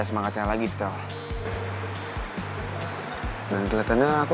jeffrey kenapa bisa lihat itu